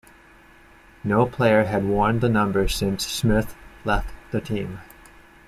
No player had worn the number since Smith left the team.